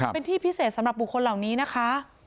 เป็นที่พิเศษสำหรับบุคคลเหล่านี้นะคะ